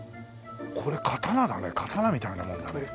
これ刀だね刀みたいなもんだね。